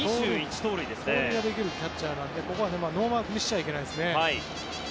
盗塁ができるキャッチャーなのでここはノーマークにしちゃいけないですね。